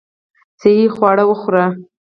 صحي خواړه وخوره .